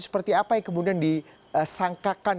seperti apa yang kemudian disangkakan